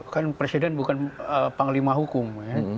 kan presiden bukan panglima hukum